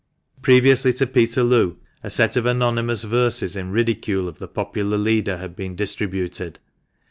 Previously to Peterloo a set of anonymous verses in ridicule of the popular THE MANCHESTER MAN. jg* leader had been distributed.